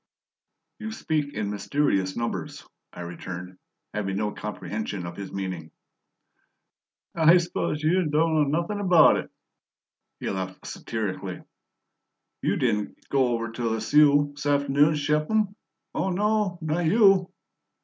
"You speak in mysterious numbers," I returned, having no comprehension of his meaning. "I suppose you don' know nothin' about it," he laughed satirically. "You didn' go over to Lisieux 'saft'noon to ship 'em? Oh, no, not YOU!"